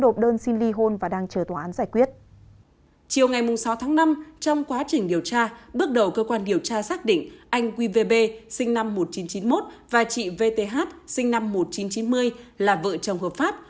trong quá trình điều tra bước đầu cơ quan điều tra xác định anh quy vb sinh năm một nghìn chín trăm chín mươi một và chị vth sinh năm một nghìn chín trăm chín mươi là vợ chồng hợp pháp